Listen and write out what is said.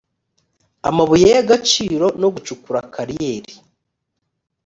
amabuye y agaciro no gucukura kariyeri